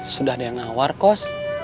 sudah ada yang nawar kos